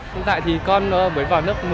hiện tại thì con mới vào lớp một mươi